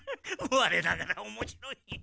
われながらおもしろい。